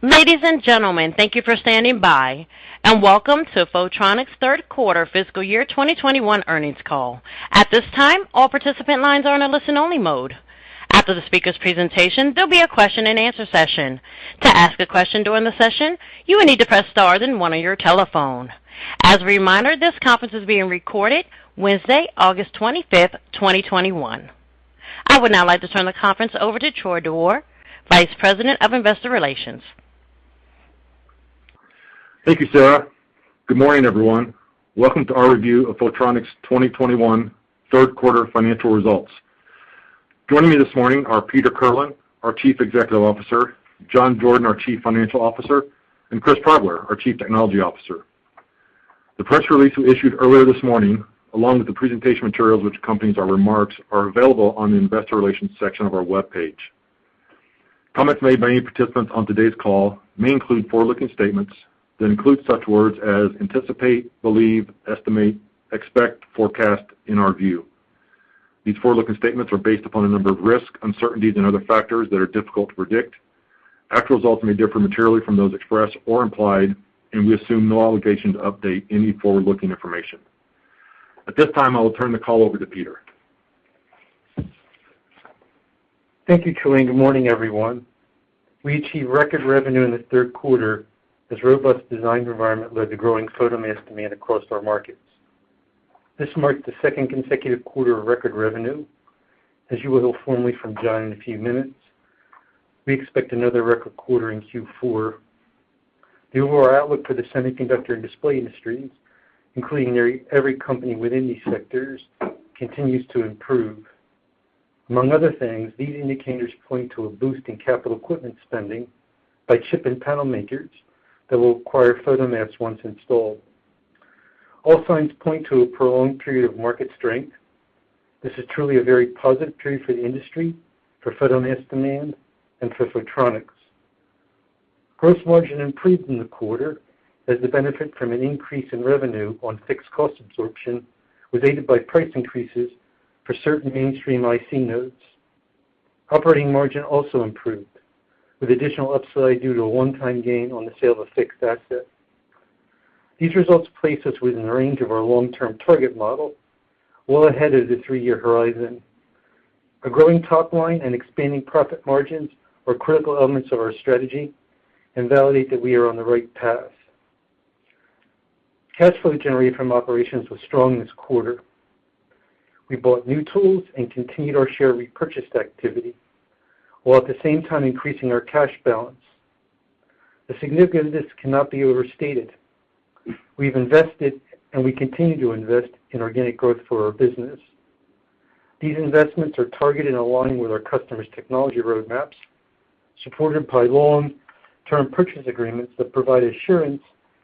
Ladies and gentlemen, thank you for standing by and welcome to Photronics' Third Quarter Fiscal Year 2021 Earnings Call. At this time, all participant lines are in a listen-only mode. After the speakers' presentation, there'll be a question and answer session. To ask a question during the session, you will need to press star then one on your telephone. As a reminder, this conference is being recorded Wednesday, August 25th, 2021. I would now like to turn the conference over to Troy Dewar, Vice President of Investor Relations. Thank you, Sarah. Good morning, everyone. Welcome to our review of Photronics' 2021 third quarter financial results. Joining me this morning are Peter Kirlin, our Chief Executive Officer, John Jordan, our Chief Financial Officer, and Chris Progler, our Chief Technology Officer. The press release we issued earlier this morning, along with the presentation materials which accompanies our remarks, are available on the investor relations section of our webpage. Comments made by any participants on today's call may include forward-looking statements that include such words as "anticipate," "believe," "estimate," "expect," "forecast," "in our view." These forward-looking statements are based upon a number of risks, uncertainties, and other factors that are difficult to predict. Actual results may differ materially from those expressed or implied, and we assume no obligation to update any forward-looking information. At this time, I will turn the call over to Peter. Thank you, Troy. Good morning, everyone. We achieved record revenue in the third quarter as robust design environment led to growing photomask demand across our markets. This marked the second consecutive quarter of record revenue. As you will hear formally from John in a few minutes, we expect another record quarter in Q4. The overall outlook for the semiconductor and display industries, including every company within these sectors, continues to improve. Among other things, these indicators point to a boost in capital equipment spending by chip and panel makers that will require photomasks once installed. All signs point to a prolonged period of market strength. This is truly a very positive period for the industry, for photomask demand, and for Photronics. Gross margin improved in the quarter as the benefit from an increase in revenue on fixed cost absorption was aided by price increases for certain mainstream IC nodes. Operating margin also improved, with additional upside due to a one-time gain on the sale of a fixed asset. These results place us within range of our long-term target model, well ahead of the three-year horizon. A growing top line and expanding profit margins are critical elements of our strategy and validate that we are on the right path. Cash flow generated from operations was strong this quarter. We bought new tools and continued our share repurchase activity, while at the same time increasing our cash balance. The significance of this cannot be overstated. We've invested, and we continue to invest in organic growth for our business. These investments are targeted along with our customers' technology roadmaps, supported by long-term purchase agreements that provide assurance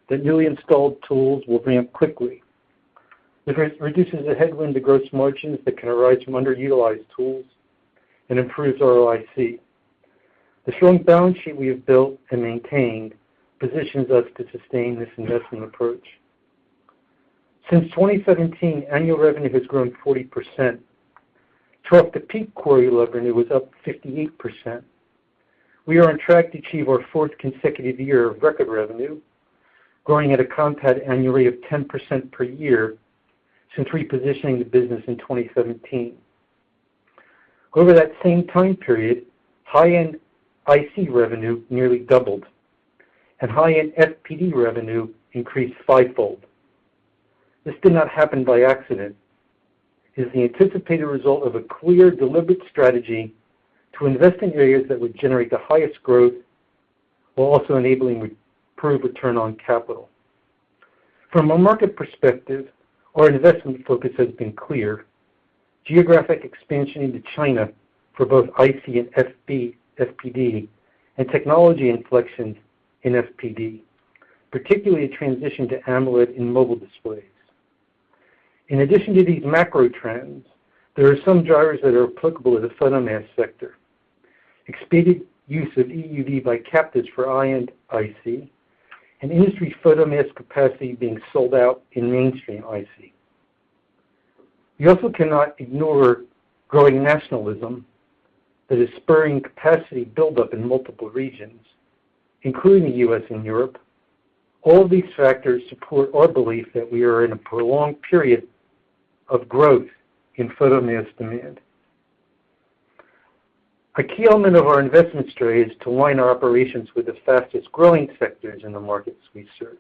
that newly installed tools will ramp quickly. This reduces the headwind to gross margins that can arise from underutilized tools and improves ROIC. The strong balance sheet we have built and maintained positions us to sustain this investment approach. Since 2017, annual revenue has grown 40%. Through the peak quarter, revenue was up 58%. We are on track to achieve our fourth consecutive year of record revenue, growing at a compound annual rate of 10% per year since repositioning the business in 2017. Over that same time period, high-end IC revenue nearly doubled, and high-end FPD revenue increased fivefold. This did not happen by accident. It is the anticipated result of a clear, deliberate strategy to invest in areas that would generate the highest growth, while also enabling improved return on capital. From a market perspective, our investment focus has been clear. Geographic expansion into China for both IC and FPD, and technology inflection in FPD, particularly the transition to AMOLED in mobile displays. In addition to these macro trends, there are some drivers that are applicable to the photomask sector. Expedited use of EUV by captives for high-end IC, and industry photomask capacity being sold out in mainstream IC. We also cannot ignore growing nationalism that is spurring capacity buildup in multiple regions, including the U.S. and Europe. All these factors support our belief that we are in a prolonged period of growth in photomask demand. A key element of our investment strategy is to align our operations with the fastest-growing sectors in the markets we serve.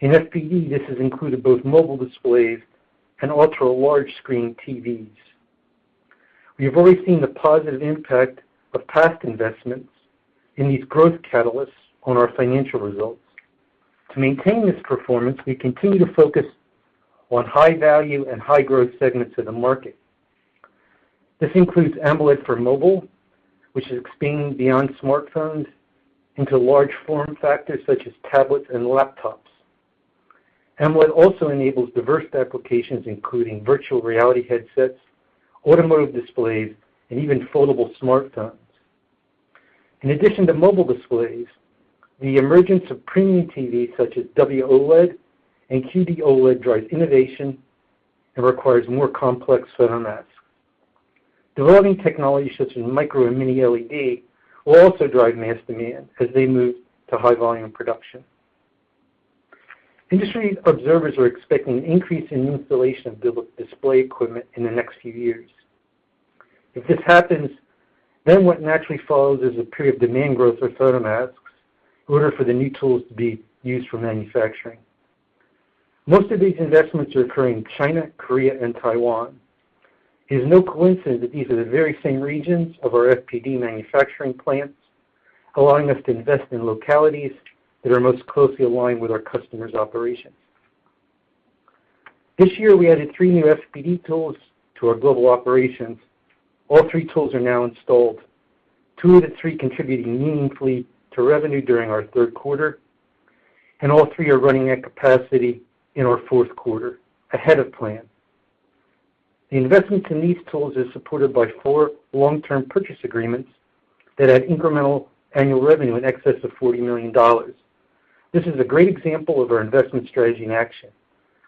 In FPD, this has included both mobile displays and ultra-large screen TVs. We have already seen the positive impact of past investments in these growth catalysts on our financial results. To maintain this performance, we continue to focus on high-value and high-growth segments of the market. This includes AMOLED for mobile, which is expanding beyond smartphones into large form factors such as tablets and laptops. AMOLED also enables diverse applications including virtual reality headsets, automotive displays, and even foldable smartphones. In addition to mobile displays, the emergence of premium TVs such as WOLED and QD-OLED drives innovation and requires more complex photomasks. Developing technologies such as micro LED and mini LED will also drive mask demand as they move to high volume production. Industry observers are expecting an increase in installation of display equipment in the next few years. If this happens, then what naturally follows is a period of demand growth for photomasks in order for the new tools to be used for manufacturing. Most of these investments are occurring in China, Korea, and Taiwan. It is no coincidence that these are the very same regions of our FPD manufacturing plants, allowing us to invest in localities that are most closely aligned with our customers' operations. This year, we added three new FPD tools to our global operations. All three tools are now installed. Two of the three contributing meaningfully to revenue during our third quarter, and all three are running at capacity in our fourth quarter, ahead of plan. The investment in these tools is supported by four long-term purchase agreements that add incremental annual revenue in excess of $40 million. This is a great example of our investment strategy in action.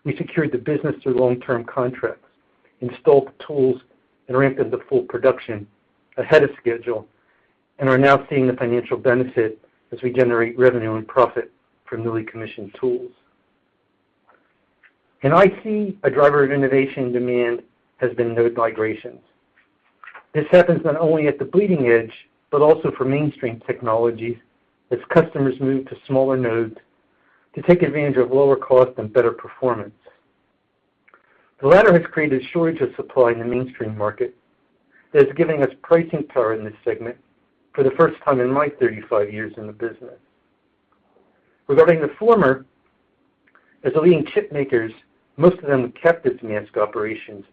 We secured the business through long-term contracts, installed the tools, and ramped into full production ahead of schedule, and are now seeing the financial benefit as we generate revenue and profit from newly commissioned tools. In IC, a driver of innovation demand has been node migrations. This happens not only at the bleeding edge, but also for mainstream technologies as customers move to smaller nodes to take advantage of lower cost and better performance. The latter has created a shortage of supply in the mainstream market that is giving us pricing power in this segment for the first time in my 35 years in the business. Regarding the former, as the leading chip makers, most of them have captive mask operations,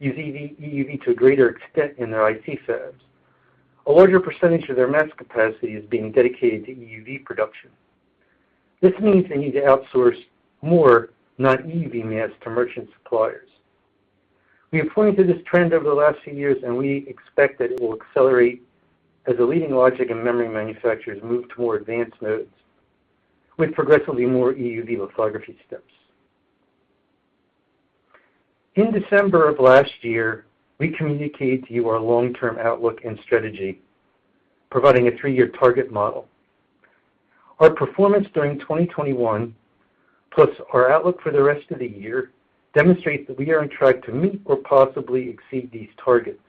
use EUV to a greater extent in their IC fabs. A larger percentage of their mask capacity is being dedicated to EUV production. This means they need to outsource more non-EUV masks to merchant suppliers. We have pointed to this trend over the last few years, and we expect that it will accelerate as the leading logic and memory manufacturers move toward advanced nodes with progressively more EUV lithography steps. In December of last year, we communicated to you our long-term outlook and strategy, providing a three-year target model. Our performance during 2021, plus our outlook for the rest of the year, demonstrates that we are on track to meet or possibly exceed these targets.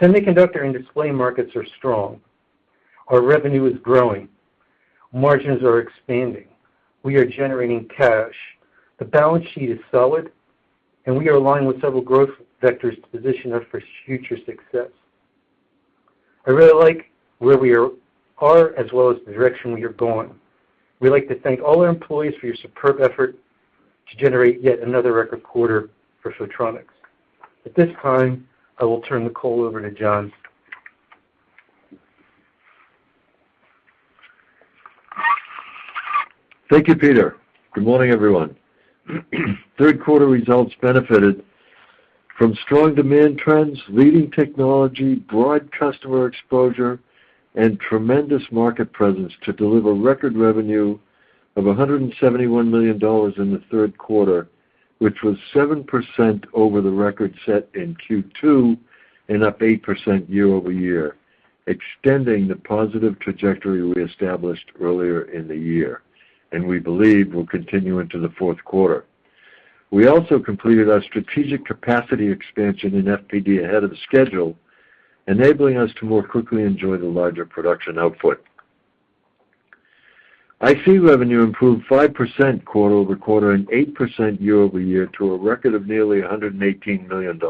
Semiconductor and display markets are strong. Our revenue is growing. Margins are expanding. We are generating cash. The balance sheet is solid, and we are aligned with several growth vectors to position us for future success. I really like where we are as well as the direction we are going. We'd like to thank all our employees for your superb effort to generate yet another record quarter for Photronics. At this time, I will turn the call over to John. Thank you, Peter. Good morning, everyone. Third quarter results benefited from strong demand trends, leading technology, broad customer exposure, and tremendous market presence to deliver record revenue of $171 million in the third quarter, which was 7% over the record set in Q2 and up 8% year-over-year, extending the positive trajectory we established earlier in the year and we believe will continue into the fourth quarter. We also completed our strategic capacity expansion in FPD ahead of schedule, enabling us to more quickly enjoy the larger production output. IC revenue improved 5% quarter-over-quarter and 8% year-over-year to a record of nearly $118 million.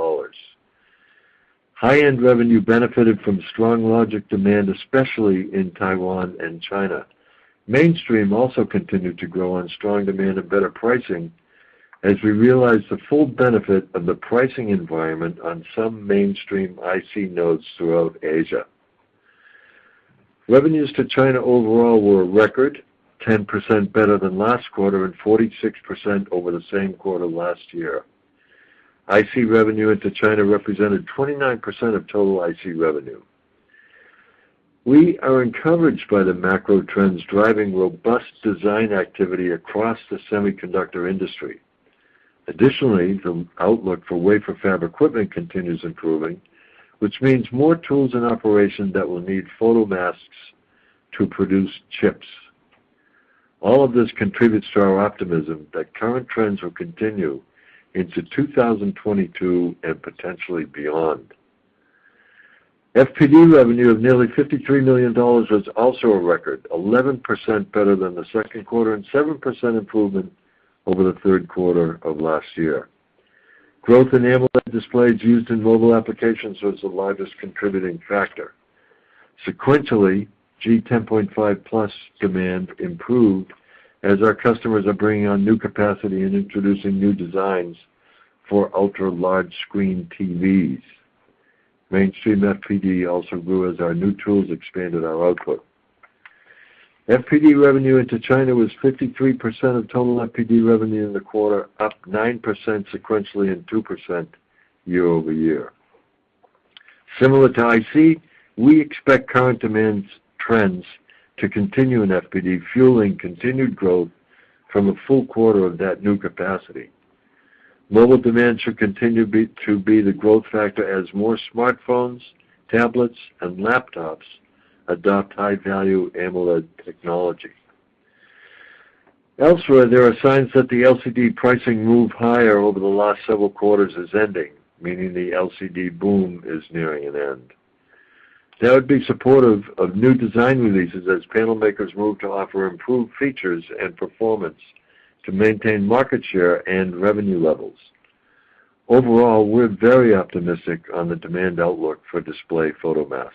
High-end revenue benefited from strong logic demand, especially in Taiwan and China. Mainstream also continued to grow on strong demand and better pricing as we realized the full benefit of the pricing environment on some mainstream IC nodes throughout Asia. Revenues to China overall were a record 10% better than last quarter and 46% over the same quarter last year. IC revenue into China represented 29% of total IC revenue. We are encouraged by the macro trends driving robust design activity across the semiconductor industry. Additionally, the outlook for wafer fab equipment continues improving, which means more tools in operation that will need photomasks to produce chips. All of this contributes to our optimism that current trends will continue into 2022 and potentially beyond. FPD revenue of nearly $53 million was also a record, 11% better than the second quarter and 7% improvement over the third quarter of last year. Growth in AMOLED displays used in mobile applications was the largest contributing factor. Sequentially, G10.5 plus demand improved as our customers are bringing on new capacity and introducing new designs for ultra-large screen TVs. Mainstream FPD also grew as our new tools expanded our output. FPD revenue into China was 53% of total FPD revenue in the quarter, up 9% sequentially and 2% year-over-year. Similar to IC, we expect current demand trends to continue in FPD, fueling continued growth from a full quarter of that new capacity. Mobile demand should continue to be the growth factor as more smartphones, tablets, and laptops adopt high-value AMOLED technology. Elsewhere, there are signs that the LCD pricing move higher over the last several quarters is ending, meaning the LCD boom is nearing an end. That would be supportive of new design releases as panel makers move to offer improved features and performance to maintain market share and revenue levels. Overall, we're very optimistic on the demand outlook for display photomasks.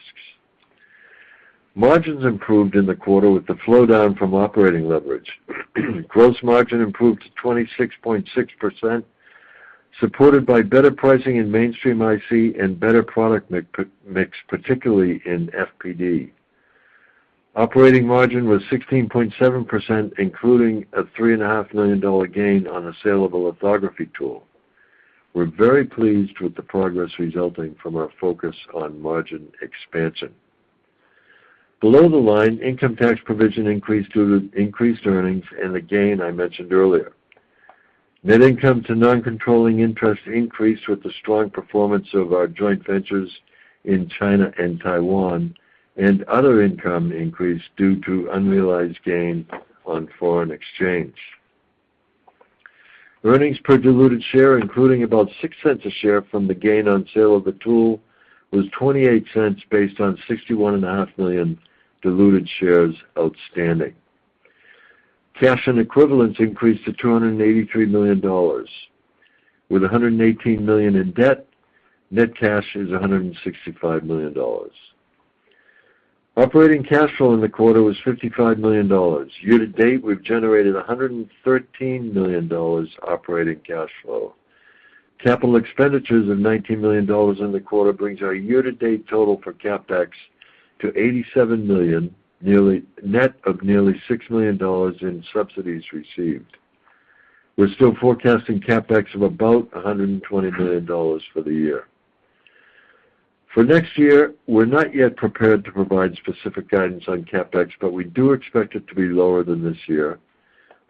Margins improved in the quarter with the flow-down from operating leverage. Gross margin improved to 26.6%, supported by better pricing in mainstream IC and better product mix, particularly in FPD. Operating margin was 16.7%, including a $3.5 million gain on the sale of a lithography tool. We're very pleased with the progress resulting from our focus on margin expansion. Below the line, income tax provision increased due to increased earnings and the gain I mentioned earlier. Net income to non-controlling interest increased with the strong performance of our joint ventures in China and Taiwan, and other income increased due to unrealized gain on foreign exchange. Earnings per diluted share, including about $0.06 a share from the gain on sale of a tool, was $0.28, based on 61.5 million diluted shares outstanding. Cash and equivalents increased to $283 million. With $118 million in debt, net cash is $165 million. Operating cash flow in the quarter was $55 million. Year to date, we've generated $113 million operating cash flow. Capital expenditures of $19 million in the quarter brings our year-to-date total for CapEx to $87 million, net of nearly $6 million in subsidies received. We're still forecasting CapEx of about $120 million for the year. For next year, we're not yet prepared to provide specific guidance on CapEx. We do expect it to be lower than this year,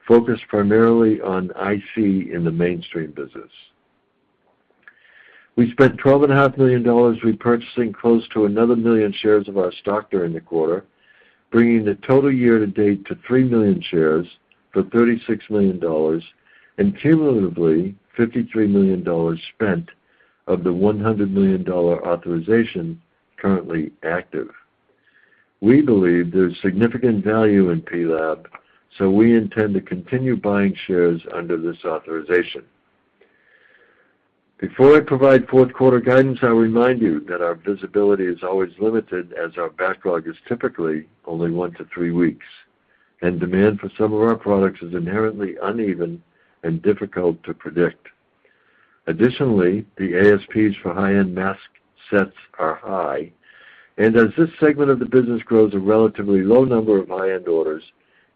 focused primarily on IC in the mainstream business. We spent $12.5 million repurchasing close to another million shares of our stock during the quarter, bringing the total year to date to 3 million shares for $36 million. Cumulatively, $53 million spent of the $100 million authorization currently active. We believe there's significant value in PLAB. We intend to continue buying shares under this authorization. Before I provide fourth quarter guidance, I'll remind you that our visibility is always limited, as our backlog is typically only one to three weeks, and demand for some of our products is inherently uneven and difficult to predict. Additionally, the ASPs for high-end mask sets are high, and as this segment of the business grows, a relatively low number of high-end orders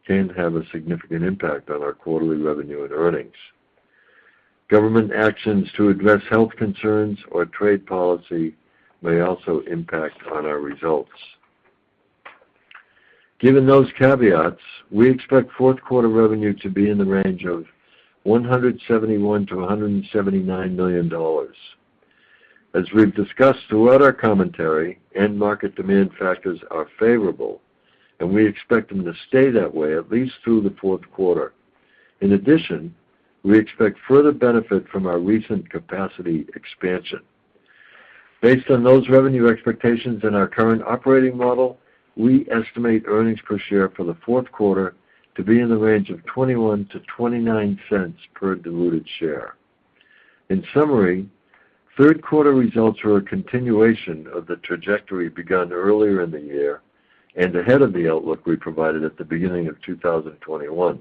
can have a significant impact on our quarterly revenue and earnings. Government actions to address health concerns or trade policy may also impact on our results. Given those caveats, we expect fourth quarter revenue to be in the range of $171 million-$179 million. As we've discussed throughout our commentary, end market demand factors are favorable, and we expect them to stay that way at least through the fourth quarter. We expect further benefit from our recent capacity expansion. Based on those revenue expectations and our current operating model, we estimate earnings per share for the fourth quarter to be in the range of $0.21-$0.29 per diluted share. In summary, third quarter results were a continuation of the trajectory begun earlier in the year and ahead of the outlook we provided at the beginning of 2021.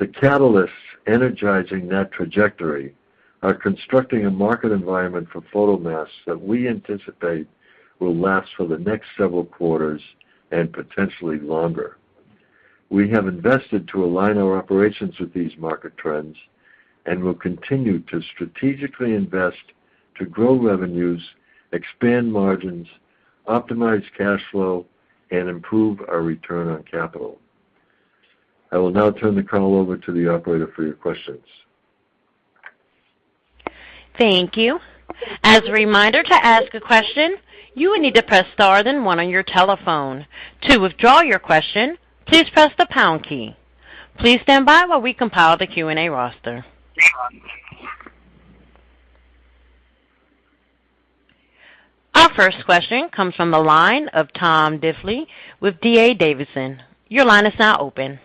The catalysts energizing that trajectory are constructing a market environment for photomasks that we anticipate will last for the next several quarters and potentially longer. We have invested to align our operations with these market trends and will continue to strategically invest to grow revenues, expand margins, optimize cash flow, and improve our return on capital. I will now turn the call over to the operator for your questions. Thank you. As a reminder, to ask a question, you will need to press star, then one on your telephone. To withdraw your question, please press the pound key. Please stand by while we compile the Q&A roster. Our first question comes from the line of Tom Diffely with D.A. Davidson. Your line is now open.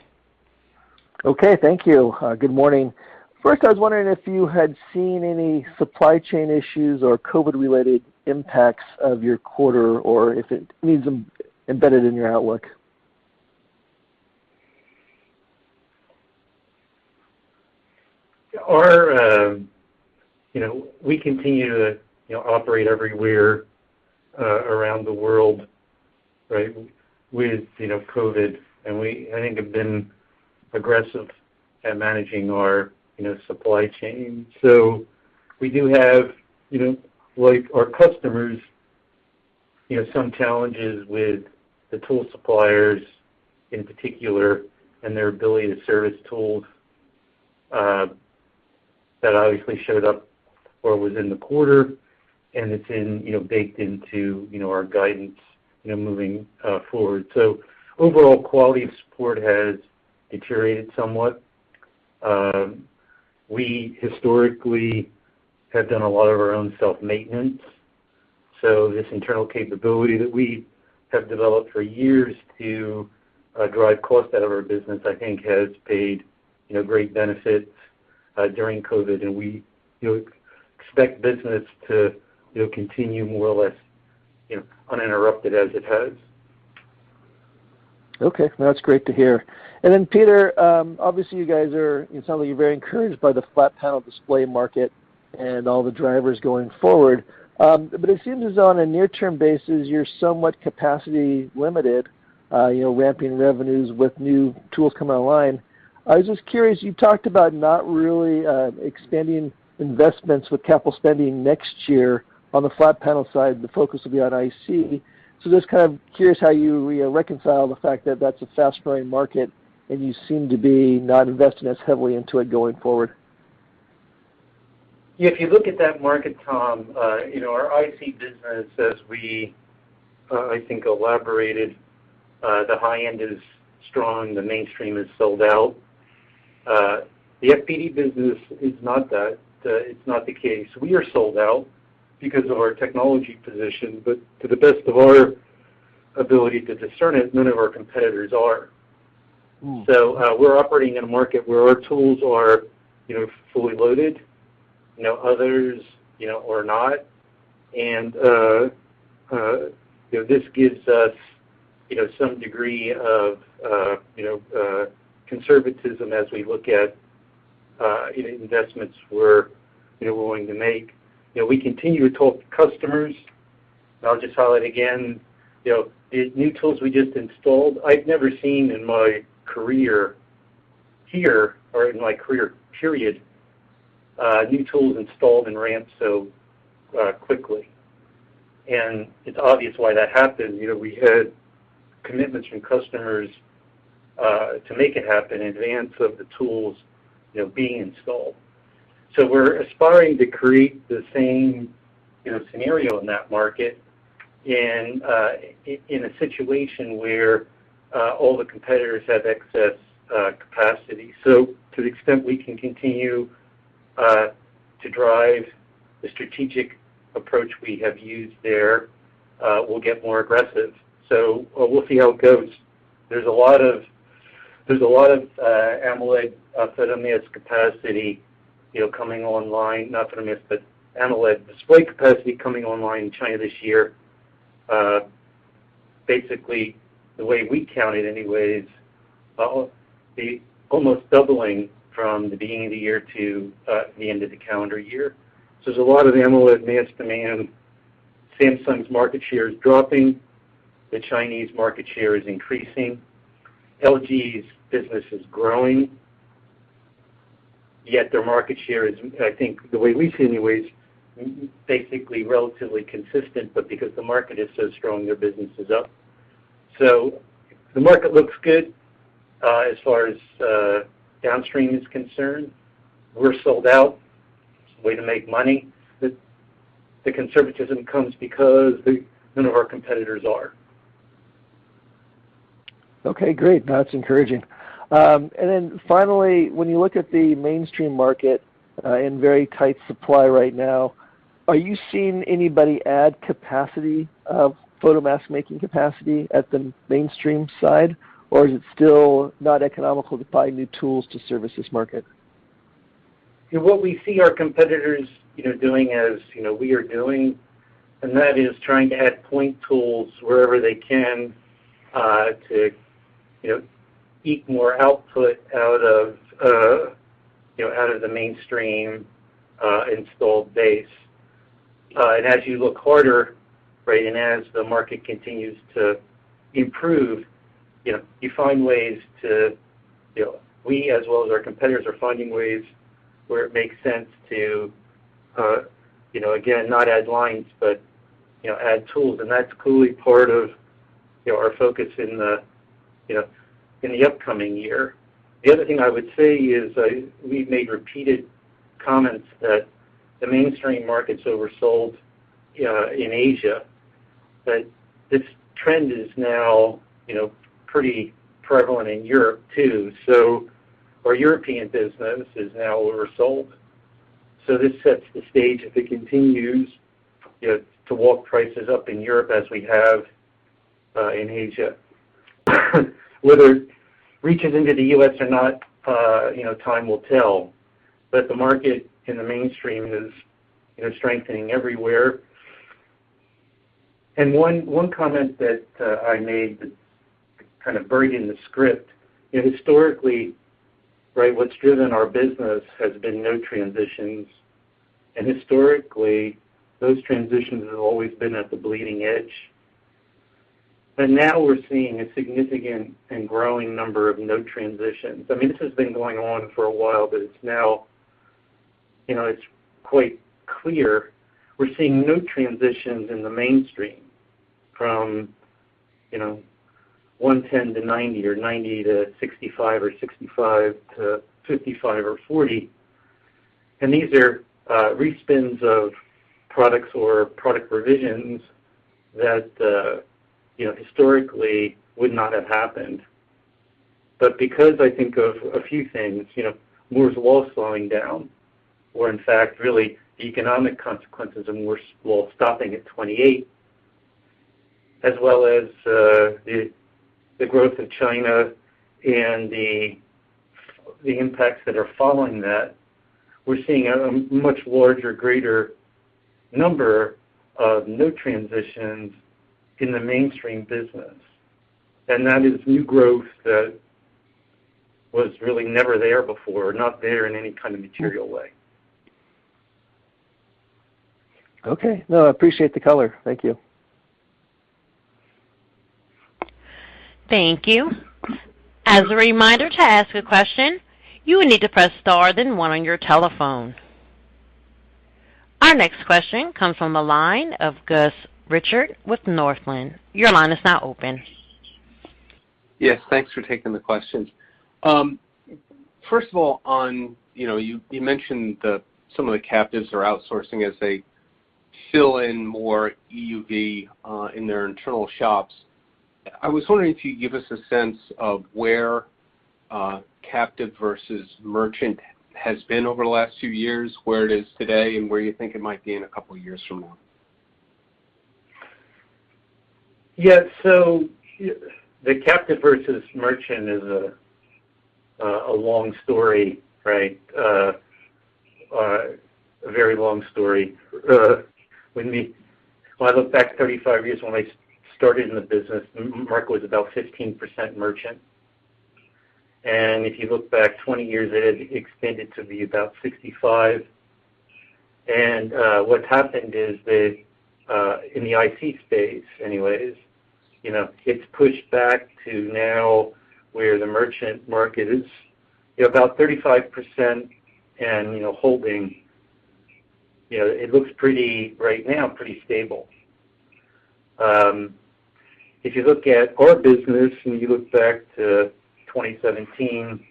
Okay, thank you. Good morning. First, I was wondering if you had seen any supply chain issues or COVID-related impacts of your quarter, or if it means embedded in your outlook. We continue to operate everywhere around the world. Right. With COVID, we, I think, have been aggressive at managing our supply chain. We do have, like our customers, some challenges with the tool suppliers in particular, and their ability to service tools. That obviously showed up or was in the quarter, and it's baked into our guidance moving forward. Overall quality of support has deteriorated somewhat. We historically have done a lot of our own self-maintenance. This internal capability that we have developed for years to drive cost out of our business, I think has paid great benefits during COVID, and we expect business to continue more or less uninterrupted as it has. Okay. No, that's great to hear. Peter, obviously you guys, it sounds like you're very encouraged by the flat panel display market and all the drivers going forward. It seems as though on a near-term basis, you're somewhat capacity limited, ramping revenues with new tools coming online. I was just curious, you talked about not really expanding investments with capital spending next year on the flat panel side, the focus will be on IC. Just kind of curious how you reconcile the fact that that's a fast-growing market, and you seem to be not investing as heavily into it going forward. Yeah. If you look at that market, Tom, our IC business as we, I think, elaborated, the high end is strong, the mainstream is sold out. The FPD business is not that. It's not the case. We are sold out because of our technology position, but to the best of our ability to discern it, none of our competitors are. We're operating in a market where our tools are fully loaded. Others are not. This gives us some degree of conservatism as we look at investments we're willing to make. We continue to talk to customers, and I'll just highlight again, the new tools we just installed, I've never seen in my career here or in my career, period, new tools installed and ramped so quickly. It's obvious why that happened. We had commitments from customers, to make it happen in advance of the tools being installed. We're aspiring to create the same scenario in that market, and in a situation where all the competitors have excess capacity. To the extent we can continue to drive the strategic approach we have used there, we'll get more aggressive. We'll see how it goes. There's a lot of AMOLED photolith capacity coming online, not photolith, but AMOLED display capacity coming online in China this year. Basically, the way we count it anyway, is almost doubling from the beginning of the year to the end of the calendar year. There's a lot of AMOLED mask demand. Samsung's market share is dropping. The Chinese market share is increasing. LG's business is growing, yet their market share is, I think the way we see it anyway, is basically relatively consistent, but because the market is so strong, their business is up. The market looks good, as far as downstream is concerned. We're sold out. It's a way to make money. The conservatism comes because none of our competitors are. Okay, great. No, that's encouraging. Finally, when you look at the mainstream market, in very tight supply right now, are you seeing anybody add capacity, photomask making capacity at the mainstream side, or is it still not economical to buy new tools to service this market? What we see our competitors doing as we are doing, that is trying to add point tools wherever they can, to eke more output out of the mainstream installed base. As you look harder, right, as the market continues to improve, We, as well as our competitors, are finding ways where it makes sense to, again, not add lines, but add tools, that's clearly part of our focus in the upcoming year. The other thing I would say is we've made repeated comments that the mainstream market's oversold in Asia, this trend is now pretty prevalent in Europe, too. Our European business is now oversold. This sets the stage, if it continues, to walk prices up in Europe as we have in Asia. Whether it reaches into the U.S. or not, time will tell. The market in the mainstream is strengthening everywhere. One comment I made, kind of burning the script. Historically, what's driven our business has been node transitions, and historically, those transitions have always been at the bleeding edge. Now we're seeing a significant and growing number of node transitions. This has been going on for a while, but it's now quite clear we're seeing node transitions in the mainstream from 110-90, or 90-65, or 65-55 or 40. These are respins of products or product revisions that historically would not have happened. Because I think of a few things, Moore's Law slowing down, or in fact, really, the economic consequences of Moore's Law stopping at 28, as well as the growth of China and the impacts that are following that, we're seeing a much larger, greater number of node transitions in the mainstream business. That is new growth that was really never there before, not there in any kind of material way. Okay. No, I appreciate the color. Thank you. Thank you. As a reminder, to ask a question, you will need to press star then one on your telephone. Our next question comes from the line of Gus Richard with Northland. Your line is now open. Yes, thanks for taking the questions. First of all, you mentioned that some of the captives are outsourcing as they fill in more EUV in their internal shops. I was wondering if you'd give us a sense of where captive versus merchant has been over the last few years, where it is today, and where you think it might be in a couple of years from now. Yeah. The captive versus merchant is a long story. A very long story. When I look back 35 years when I started in the business, the market was about 15% merchant. If you look back 20 years, it has expanded to be about 65%. What's happened is that, in the IC space anyways, it's pushed back to now where the merchant market is about 35% and holding. It looks, right now, pretty stable. If you look at our business, and you look back to 2017,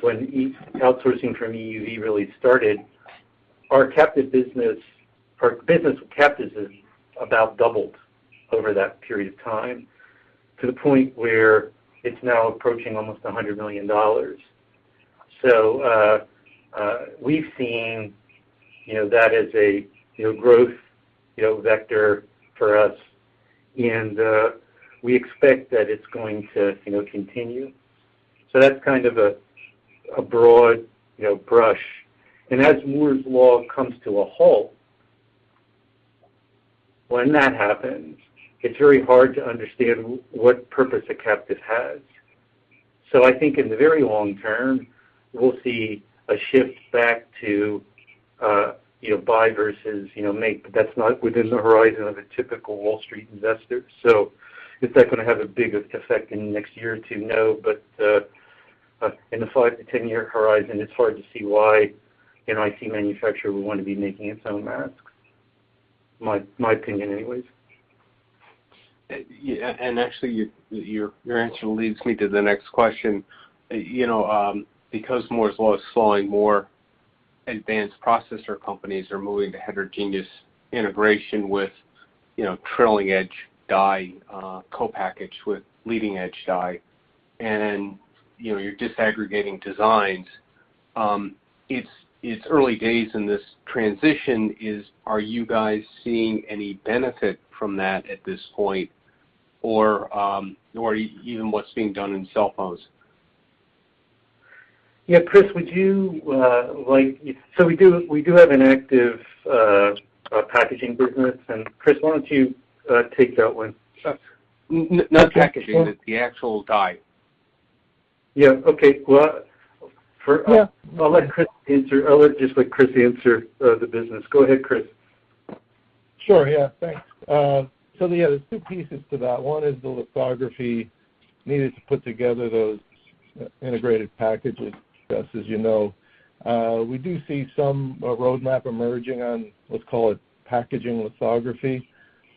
when outsourcing from EUV really started, our business with captives has about doubled over that period of time, to the point where it's now approaching almost $100 million. We've seen that as a growth vector for us, and we expect that it's going to continue. That's kind of a broad brush. As Moore's Law comes to a halt, when that happens, it's very hard to understand what purpose a captive has. I think in the very long term, we'll see a shift back to buy versus make, but that's not within the horizon of a typical Wall Street investor. Is that going to have a big effect in the next year or two? No. In the 5-10-year horizon, it's hard to see why an IC manufacturer would want to be making its own masks. My opinion, anyways. Actually, your answer leads me to the next question. Because Moore's Law is slowing, more advanced processor companies are moving to heterogeneous integration with trailing-edge die co-package with leading-edge die, and you're disaggregating designs. It's early days in this transition. Are you guys seeing any benefit from that at this point? Or even what's being done in cell phones? Yeah, Chris, we do have an active packaging business, and Chris, why don't you take that one? Sure. Not packaging, the actual die. Yeah, okay. Yeah. I'll let Chris answer. I'll just let Chris answer the business. Go ahead, Chris. Sure, yeah. Thanks. There's two pieces to that. One is the lithography needed to put together those integrated packages, Gus, as you know. We do see some roadmap emerging on, let's call it, packaging lithography.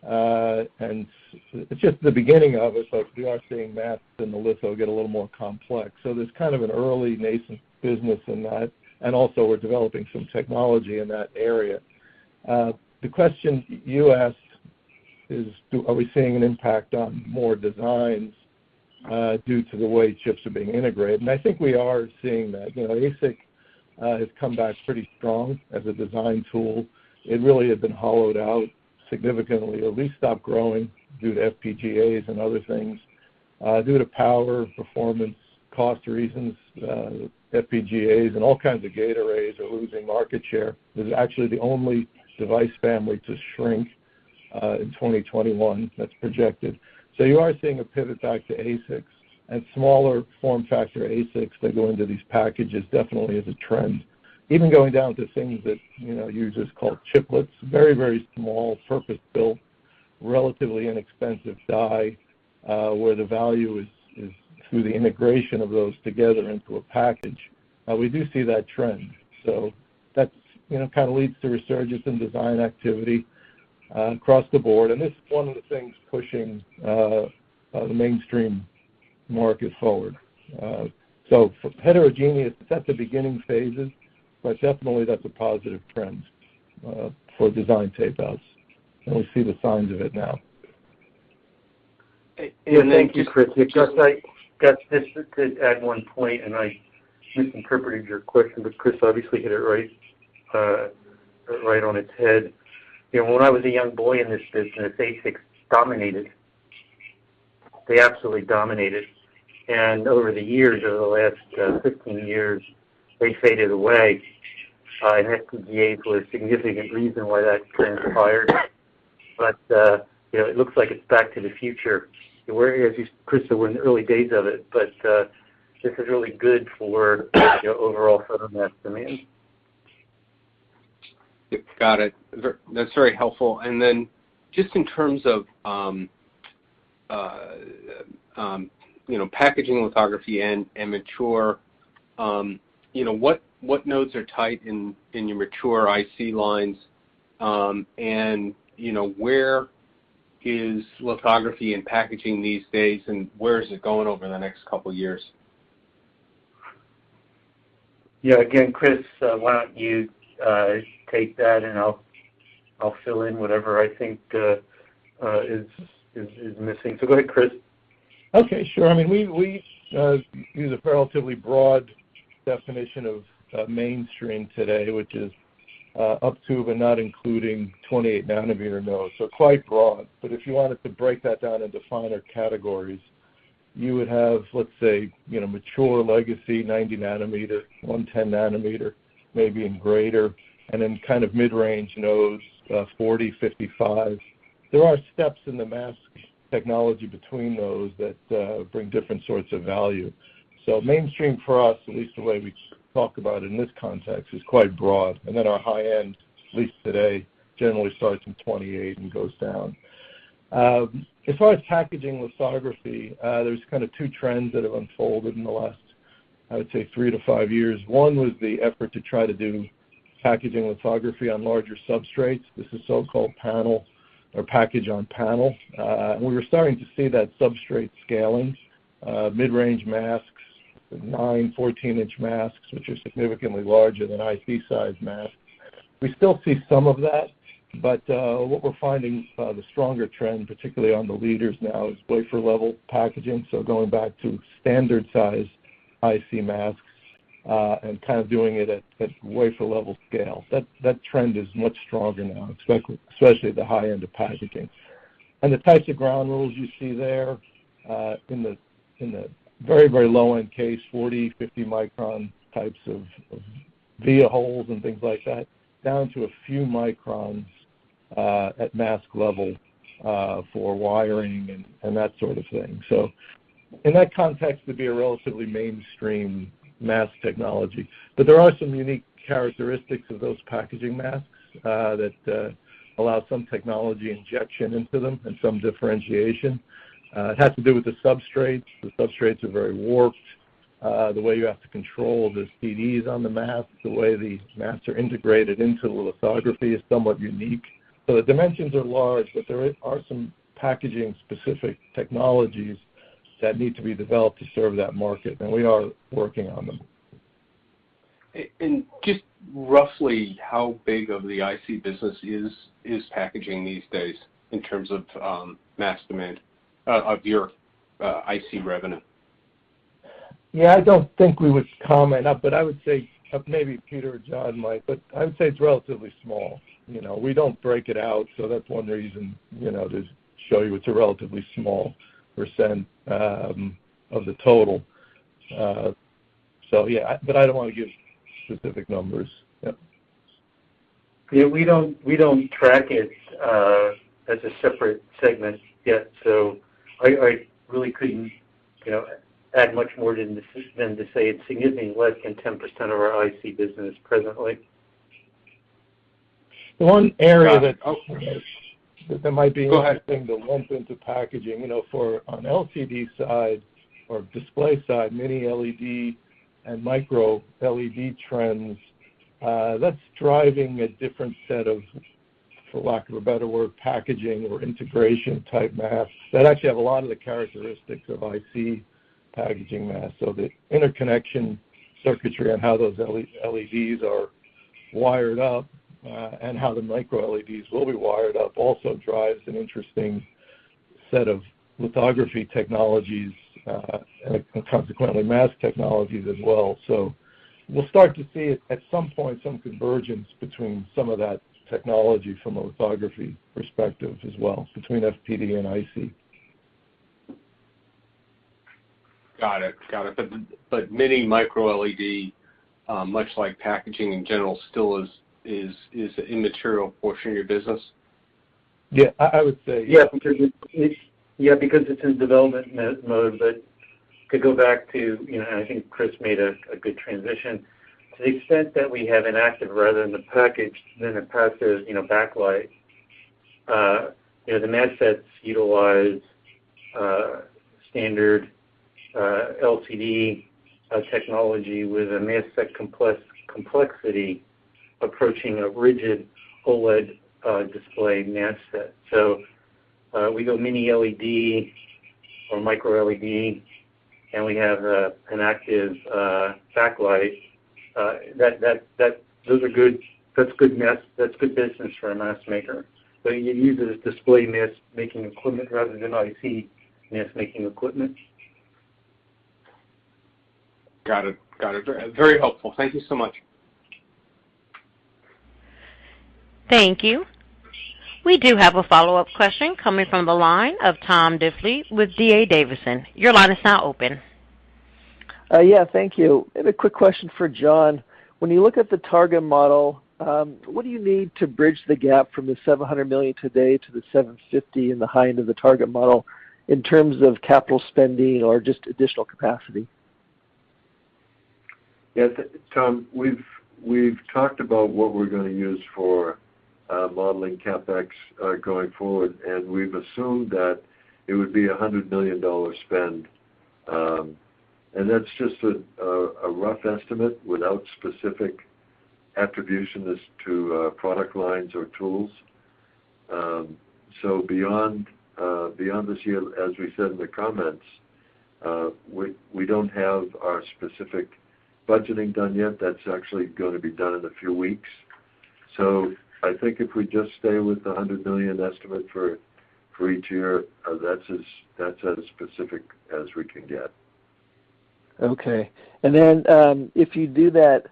It's just the beginning of it, we are seeing masks and the litho get a little more complex. There's kind of an early nascent business in that, also we're developing some technology in that area. The question you asked is, are we seeing an impact on more designs due to the way chips are being integrated, I think we are seeing that. ASIC has come back pretty strong as a design tool. It really had been hollowed out significantly, or at least stopped growing due to FPGAs and other things. Due to power, performance, cost reasons, FPGAs and all kinds of gate arrays are losing market share. This is actually the only device family to shrink in 2021, that's projected. You are seeing a pivot back to ASICs, and smaller form factor ASICs that go into these packages definitely is a trend. Even going down to things that users call chiplets, very small purpose-built, relatively inexpensive die, where the value is through the integration of those together into a package. We do see that trend. That kind of leads to a resurgence in design activity across the board, and this is one of the things pushing the mainstream markets forward. For heterogeneous, it's at the beginning phases, but definitely that's a positive trend for design tape outs, and we see the signs of it now. Thank you, Chris. Thank you, Chris. I got distracted at one point, and I misinterpreted your question, but Chris obviously hit it right on its head. When I was a young boy in this business, ASICs dominated. They absolutely dominated. Over the years, over the last 15 years, they faded away, and FPGAs was a significant reason why that trend transpired. It looks like it's back to the future, where, as you, Chris, said we're in the early days of it, but this is really good for overall photomask demand. Got it. That's very helpful. Just in terms of packaging lithography and mature, what nodes are tight in your mature IC lines? Where is lithography and packaging these days, and where is it going over the next couple of years? Yeah. Again, Chris, why don't you take that, and I'll fill in whatever I think is missing. Go ahead, Chris. Sure. We use a relatively broad definition of mainstream today, which is up to but not including 28 nanometer nodes, quite broad. If you wanted to break that down into finer categories, you would have, let's say, mature legacy 90 nanometer, 110 nanometer, maybe, and greater, and then kind of mid-range nodes, 40, 55. There are steps in the mask technology between those that bring different sorts of value. Mainstream for us, at least the way we talk about it in this context, is quite broad. Our high-end, at least today, generally starts from 28 and goes down. As far as packaging lithography, there's kind of two trends that have unfolded in the last, I would say, three to five years. One was the effort to try to do packaging lithography on larger substrates. This is so-called panel or package on panel. We were starting to see that substrate scaling, mid-range masks, nine, 14-inch masks, which are significantly larger than IC-size masks. We still see some of that, but what we're finding, the stronger trend, particularly on the leaders now, is wafer-level packaging, so going back to standard size IC masks, and kind of doing it at wafer-level scale. That trend is much stronger now, especially at the high end of packaging. The types of ground rules you see there, in the very low-end case, 40, 50 micron types of via holes and things like that, down to a few microns at mask level for wiring and that sort of thing. In that context, it would be a relatively mainstream mask technology. There are some unique characteristics of those packaging masks that allow some technology injection into them and some differentiation. It has to do with the substrates. The substrates are very warped. The way you have to control the CDs on the mask, the way the masks are integrated into the lithography is somewhat unique. The dimensions are large, but there are some packaging-specific technologies that need to be developed to serve that market, and we are working on them. Just roughly, how big of the IC business is packaging these days in terms of mask demand of your IC revenue? Yeah. I don't think we would comment, but I would say Maybe Peter or John might, but I would say it's relatively small. We don't break it out, that's one reason to show you it's a relatively small percent of the total. yeah. I don't want to give specific numbers. Yep. Yeah, we don't track it as a separate segment yet, so I really couldn't add much more than to say it's significantly less than 10% of our IC business presently. The one area that- Got it. Oh. That might be- Go ahead.... interesting to lump into packaging, on LCD side or display side, mini LED and micro LED trends, that's driving a different set of, for lack of a better word, packaging or integration type masks that actually have a lot of the characteristics of IC packaging masks. The interconnection circuitry on how those LEDs are wired up and how the micro LEDs will be wired up also drives an interesting set of lithography technologies, and consequently, mask technologies as well. We'll start to see at some point some convergence between some of that technology from a lithography perspective as well, between FPD and IC. Got it. mini micro LED, much like packaging in general, still is an immaterial portion of your business? Yeah, I would say. Yeah, because it's in development mode, but to go back to, and I think Chris made a good transition, to the extent that we have an active rather than the package, than a passive backlight. The mask sets utilize standard LCD technology with a mask set complexity approaching a rigid OLED display mask set. We go mini LED or micro LED, and we have an active backlight. That's good business for a mask maker. You use it as display mask making equipment rather than IC mask making equipment. Got it. Very helpful. Thank you so much. Thank you. We do have a follow-up question coming from the line of Tom Diffely with D.A. Davidson. Your line is now open. Yeah, thank you. I have a quick question for John. When you look at the target model, what do you need to bridge the gap from the $700 million today to the $750 million and the high end of the target model in terms of capital spending or just additional capacity? Yes, Tom, we've talked about what we're going to use for modeling CapEx going forward, and we've assumed that it would be $100 million spend. That's just a rough estimate without specific attribution as to product lines or tools. Beyond this year, as we said in the comments, we don't have our specific budgeting done yet. That's actually going to be done in a few weeks. I think if we just stay with the $100 million estimate for each year, that's as specific as we can get. Okay. If you do that,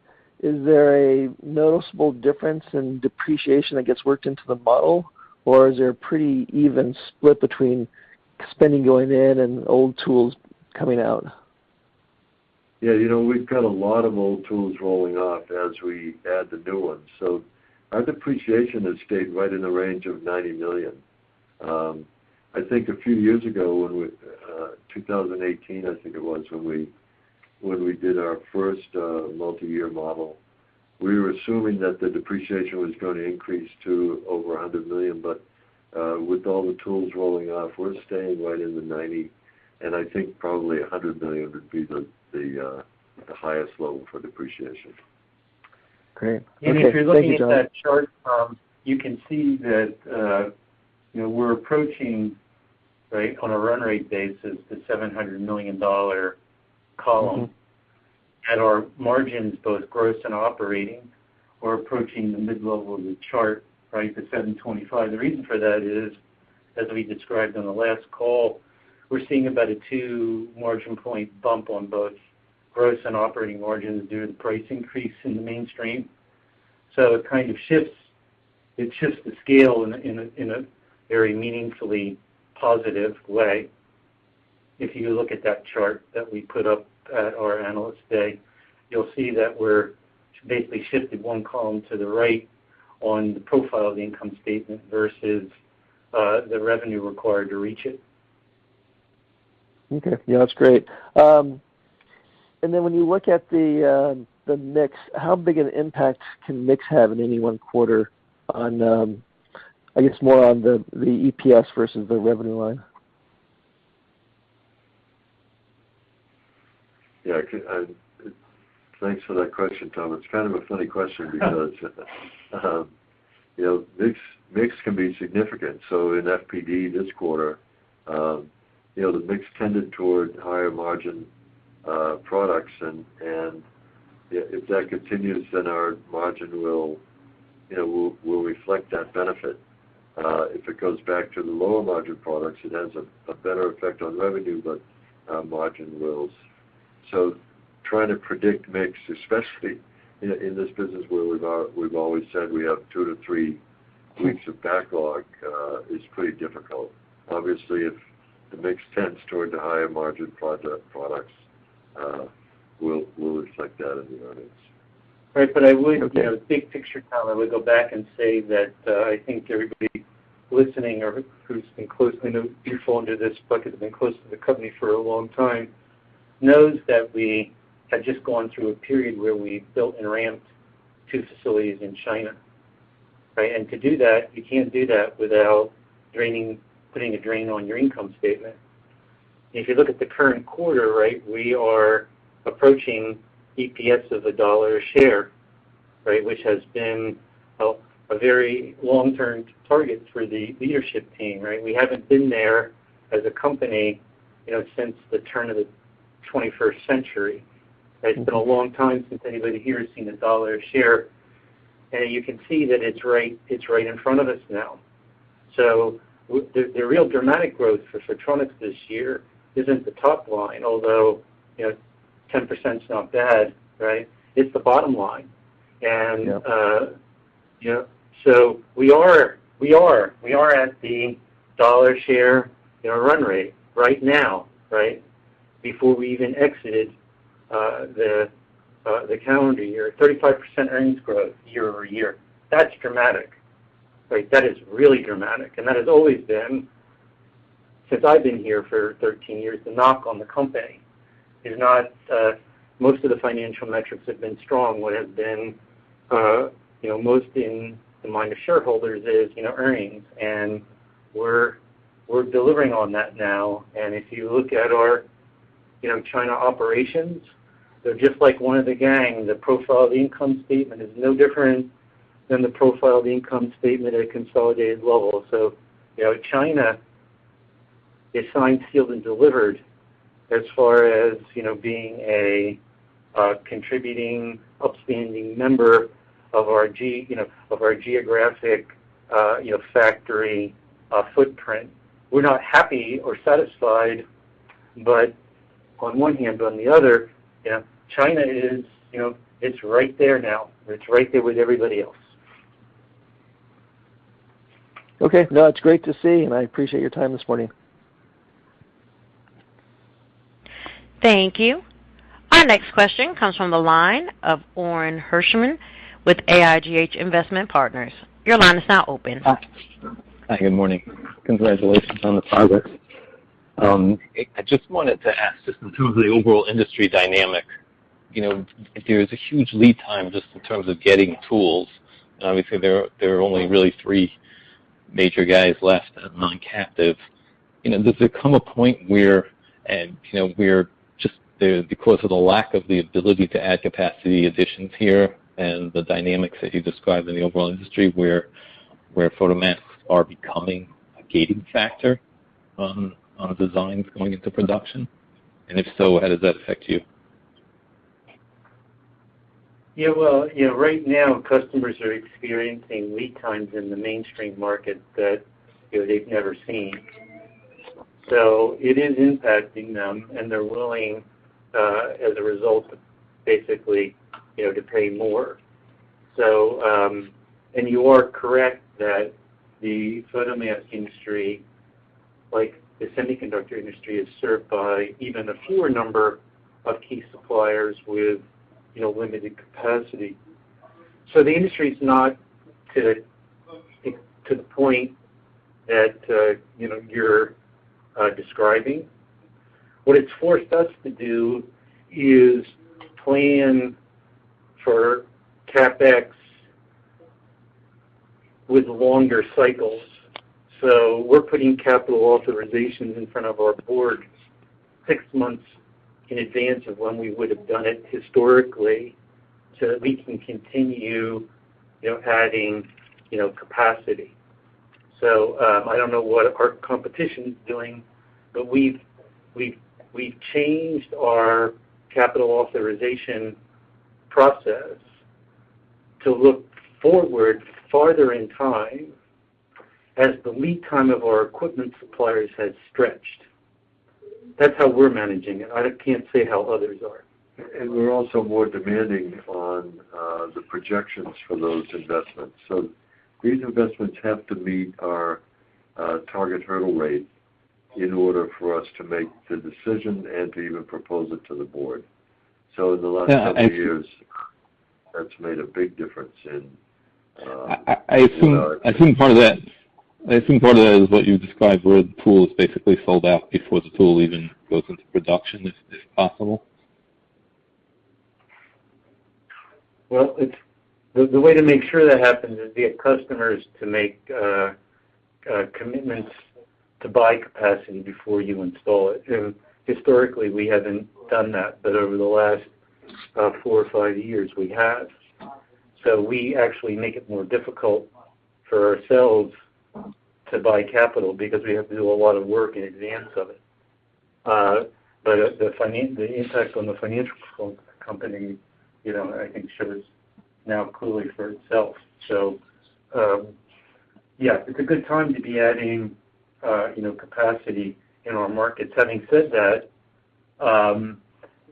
is there a noticeable difference in depreciation that gets worked into the model, or is there a pretty even split between spending going in and old tools coming out? Yeah, we've got a lot of old tools rolling off as we add the new ones. Our depreciation has stayed right in the range of $90 million. I think a few years ago, 2018 I think it was, when we did our first multi-year model, we were assuming that the depreciation was going to increase to over $100 million. With all the tools rolling off, we're staying right in the $90 million, and I think probably $100 million would be the highest level for depreciation. Great. Okay. Thank you, John. If you're looking at that chart, Tom, you can see that we're approaching on a run rate basis, the $700 million column. Our margins, both gross and operating, we're approaching the mid-level of the chart, the $725 million. The reason for that is, as we described on the last call, we're seeing about a two-margin point bump on both gross and operating margins due to the price increase in the mainstream. It kind of shifts the scale in a very meaningfully positive way. If you look at that chart that we put up at our Analyst Day, you'll see that we're basically shifted one column to the right on the profile of the income statement versus the revenue required to reach it. Okay. Yeah, that's great. When you look at the mix, how big an impact can mix have in any one quarter on, I guess, more on the EPS versus the revenue line? Yeah. Thanks for that question, Tom. It's kind of a funny question because mix can be significant. In FPD this quarter, the mix tended toward higher margin products, and if that continues, then our margin will reflect that benefit. If it goes back to the lower margin products, it has a better effect on revenue, but margin wills. Trying to predict mix, especially in this business where we've always said we have two to three weeks of backlog, is pretty difficult. Obviously, if the mix tends toward the higher margin products, we'll reflect that in the earnings. Right. I would, big picture, Tom, I would go back and say that I think everybody listening, or who's been, you fall under this bucket, close to the company for a long time, knows that we had just gone through a period where we built and ramped two facilities in China, right? To do that, you can't do that without putting a drain on your income statement. If you look at the current quarter, we are approaching EPS of a dollar a share, which has been a very long-term target for the leadership team. We haven't been there as a company since the turn of the 21st century. It's been a long time since anybody here has seen a dollar a share, you can see that it's right in front of us now. The real dramatic growth for Photronics this year isn't the top line, although 10%'s not bad. It's the bottom line. Yeah. Yeah. We are at the dollar share in our run rate right now, before we even exited the calendar year, 35% earnings growth year-over-year. That's dramatic. That is really dramatic, and that has always been, since I've been here for 13 years, the knock on the company. Most of the financial metrics have been strong. What has been most in the mind of shareholders is earnings, and we're delivering on that now. If you look at our China operations, they're just like one of the gang. The profile of the income statement is no different than the profile of the income statement at a consolidated level. China is signed, sealed, and delivered as far as being a contributing, upstanding member of our geographic factory footprint. We're not happy or satisfied, but on one hand, on the other, China, it's right there now. It's right there with everybody else. Okay. No, it's great to see, and I appreciate your time this morning. Thank you. Our next question comes from the line of Orin Hirschman with AIGH Investment Partners. Your line is now open. Hi. Good morning. Congratulations on the progress. I just wanted to ask, just in terms of the overall industry dynamic, if there is a huge lead time just in terms of getting tools, and obviously there are only really three major guys left that are non-captives, does there come a point where, because of the lack of the ability to add capacity additions here and the dynamics that you describe in the overall industry, where photomasks are becoming a gating factor on designs going into production? If so, how does that affect you? Yeah. Well, right now, customers are experiencing lead times in the mainstream market that they've never seen. It is impacting them, and they're willing, as a result, basically, to pay more. You are correct that the photomask industry, like the semiconductor industry, is served by even a fewer number of key suppliers with limited capacity. The industry's not to the point that you're describing. What it's forced us to do is plan for CapEx with longer cycles. We're putting capital authorizations in front of our boards six months in advance of when we would've done it historically, so that we can continue adding capacity. I don't know what our competition is doing, but we've changed our capital authorization process to look forward farther in time as the lead time of our equipment suppliers has stretched. That's how we're managing it. I can't say how others are. We're also more demanding on the projections for those investments. These investments have to meet our target hurdle rate in order for us to make the decision and to even propose it to the board. In the last couple years, that's made a big difference. I assume part of that is what you described, where the tool is basically sold out before the tool even goes into production, if possible. Well, the way to make sure that happens is to get customers to make commitments to buy capacity before you install it. Historically, we haven't done that, but over the last four or five years, we have. We actually make it more difficult for ourselves to buy capital because we have to do a lot of work in advance of it. The impact on the financial company, I think, shows now clearly for itself. Yeah, it's a good time to be adding capacity in our markets. Having said that,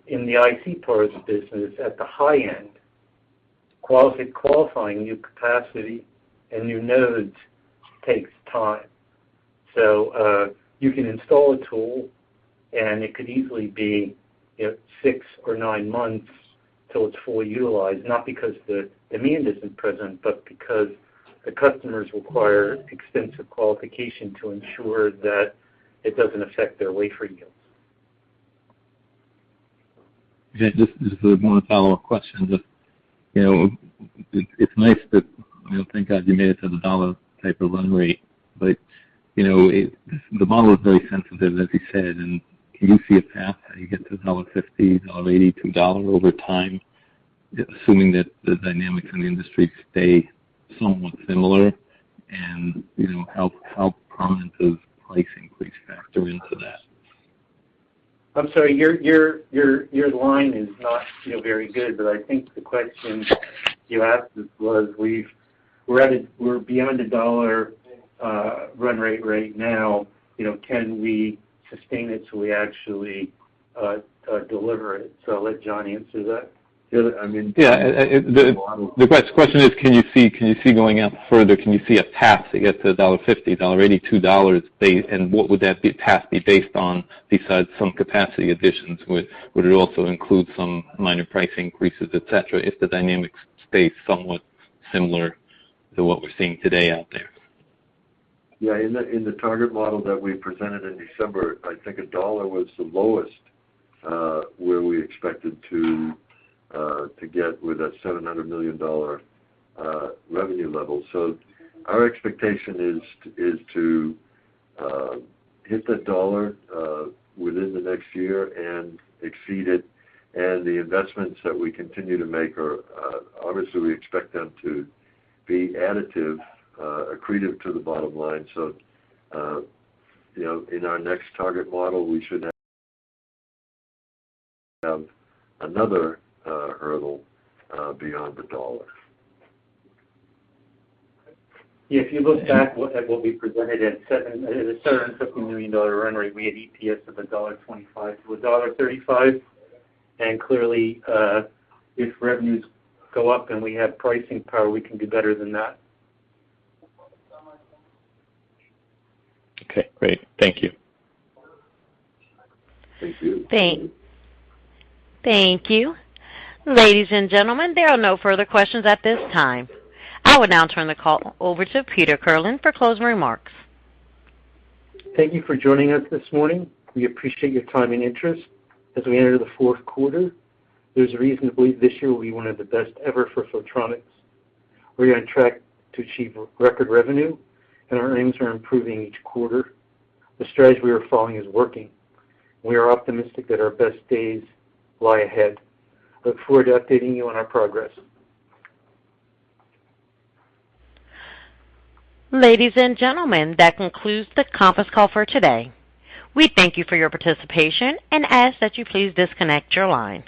in the IC parts business, at the high end, qualifying new capacity and new nodes takes time. You can install a tool, and it could easily be six or nine months till it's fully utilized, not because the demand isn't present, but because the customers require extensive qualification to ensure that it doesn't affect their wafer yields. This is 1 follow-up question. It's nice that thank God you made it to the a dollar type of run rate, but the model is very sensitive, as you said. Can you see a path how you get to $1.50, $1.82 over time, assuming that the dynamics in the industry stay somewhat similar, and how prominent does price increase factor into that? I'm sorry, your line is not very good, but I think the question you asked was we're beyond a dollar run rate right now, can we sustain it till we actually deliver it? I'll let John answer that. Yeah. The question is can you see going out further? Can you see a path to get to $1.50, $1.80, $2 base, and what would that path be based on besides some capacity additions? Would it also include some minor price increases, etc, if the dynamics stay somewhat similar to what we're seeing today out there? Yeah. In the target model that we presented in December, I think a dollar was the lowest where we expected to get with that $700 million revenue level. Our expectation is to hit a dollar within the next year and exceed it, and the investments that we continue to make are, obviously, we expect them to be additive, accretive to the bottom line. In our next target model, we should have another hurdle beyond a dollar. If you look back at what we presented at $750 million run rate, we had EPS of $1.25-$1.35. Clearly, if revenues go up and we have pricing power, we can do better than that. Okay, great. Thank you. Thank you. Thank you. Ladies and gentlemen, there are no further questions at this time. I will now turn the call over to Peter Kirlin for closing remarks. Thank you for joining us this morning. We appreciate your time and interest. As we enter the fourth quarter, there's reason to believe this year will be one of the best ever for Photronics. We're on track to achieve record revenue, and our earnings are improving each quarter. The strategy we are following is working. We are optimistic that our best days lie ahead. Look forward to updating you on our progress. Ladies and gentlemen, that concludes the conference call for today. We thank you for your participation and ask that you please disconnect your line.